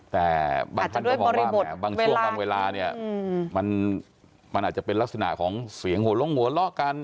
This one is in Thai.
แต่บางท่านก็บอกว่าบางช่วงบางเวลามันอาจจะเป็นลักษณะของเสียงหัวล้องหัวลอกัน